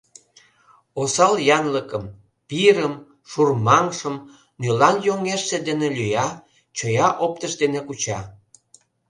Осал янлыкым — пирым, шурмаҥшым — нӧлан йоҥежше дене лӱя, чоя оптыш дене куча.